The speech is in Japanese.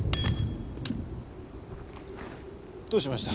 どうしました？